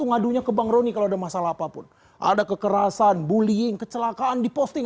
ngadunya ke bang roni kalau ada masalah apapun ada kekerasan bullying kecelakaan diposting